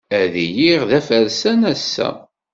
Ad iliɣ d afarsan, ass-a.